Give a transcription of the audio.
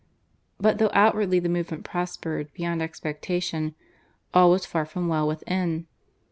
But though outwardly the movement prospered beyond expectation all was far from well within.